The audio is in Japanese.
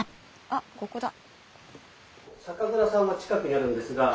あここだ。